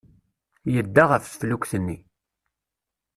Yedda ɣef teflukt-nni.